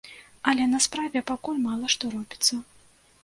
Але на справе пакуль мала што робіцца.